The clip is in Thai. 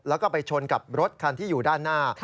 แล้วก็ไปชนกับรถคันที่อยู่ด้านหน้า